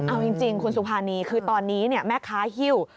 เอาจริงคุณสุภานีคือตอนนี้แม่ค้าฮิ้ว